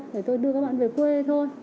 để tôi đưa các bạn về quê thôi